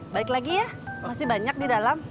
bagi ya masih banyak di dalam